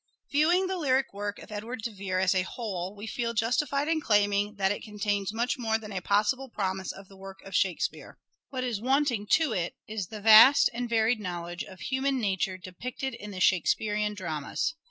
Viewing the lyric work of Edward de Vere as a whole we feel justified in claiming that it contains much more than a possible promise of the work of Shakespeare. What is wanting to it is the vast and varied knowledge of human nature depicted in the Shakespearean dramas.